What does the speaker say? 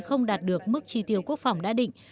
không đạt được mức chi tiêu quốc phòng đã định